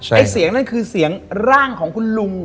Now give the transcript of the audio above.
ไอ้เสียงนั่นคือเสียงร่างของคุณลุง